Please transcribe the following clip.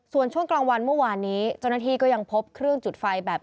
ส่วนช่วงกลางวันเมื่อวานนี้เจ้าหน้าที่ก็ยังพบเครื่องจุดไฟแบบ